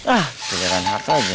ah kejaran hartanya